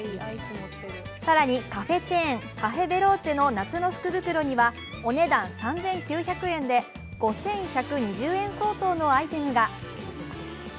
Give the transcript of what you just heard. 更にカフェチェーンカフェ・ベローチェの夏の福袋にはお値段３９００円で５１２０円相当のアイテムが。